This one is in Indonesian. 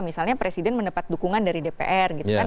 misalnya presiden mendapat dukungan dari dpr gitu kan